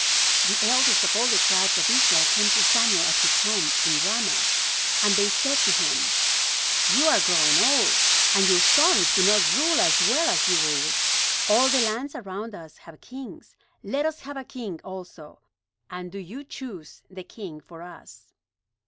The elders of all the tribes of Israel came to Samuel at his home in Ramah; and they said to him: "You are growing old, and your sons do not rule as well as you ruled. All the lands around us have kings. Let us have a king also; and do you choose the king for us."